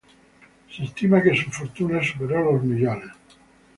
Se estima que su fortuna superó los millones.